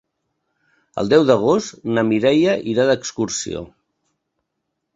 El deu d'agost na Mireia irà d'excursió.